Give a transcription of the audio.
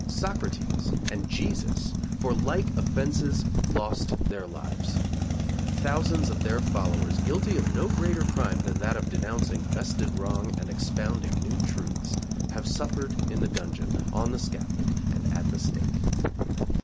Socrates and Jesus, for like offenses, lost their lives. Thousands of their followers, guilty of no greater crime than that of denouncing vested wrong and expounding new truths, have suffered in the dungeon, on the scaffold and at the stake.